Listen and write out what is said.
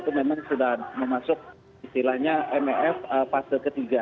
itu memang sudah memasuk istilahnya mef fase ketiga